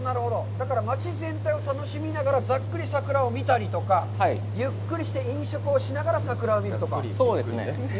だから、町全体を楽しみながらざっくり桜を見たりとか、ゆっくりして飲食をしながら桜を見るとか。